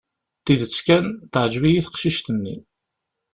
Tidet kan, teɛǧeb-iyi teqcict-nni.